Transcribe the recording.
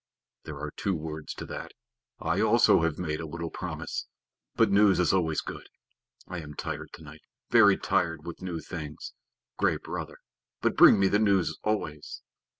"There are two words to that. I also have made a little promise. But news is always good. I am tired to night, very tired with new things, Gray Brother, but bring me the news always."